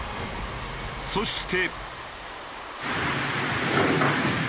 そして。